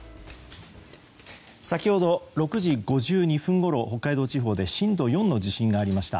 先ほど６時５２分ごろ北海道地方で震度４の地震がありました。